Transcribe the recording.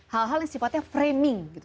hal hal yang sifatnya framing gitu